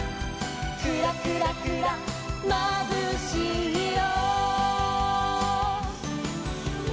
「クラクラクラまぶしいよ」